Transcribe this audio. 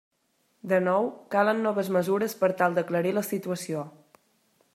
De nou, calen noves mesures per tal d'aclarir la situació.